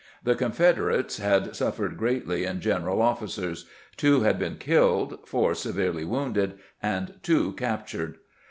The Confederates had suffered greatly in general ofScers. Two had been kiUed, four severely wounded, and two captured.